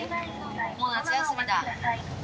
もう夏休みだ。